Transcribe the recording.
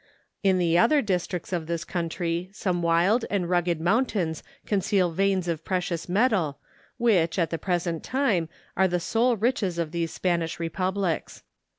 In the other dis¬ tricts of this country some wild and rugged moun¬ tains conceal veins of precious metal which, at the present time, are the sole riches of these Spanish republics.